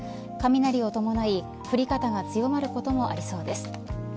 雷を伴い、降り方が強まることもありそうです。